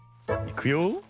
いくよ。